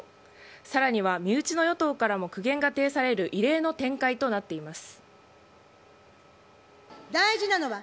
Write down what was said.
さらには、身内の与党からも苦言が呈される異例の展開となっています。